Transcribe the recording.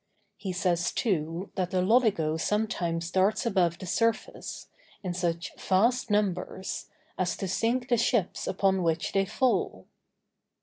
He says, too, that the loligo sometimes darts above the surface, in such vast numbers, as to sink the ships upon which they fall.